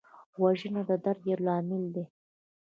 وژنه د درد یو لامل دی